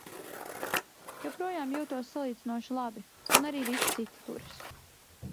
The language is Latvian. Joprojām jūtos salīdzinoši labi un arī visi citi turas.